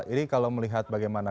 jadi kalau melihat bagaimana